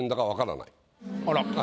あら。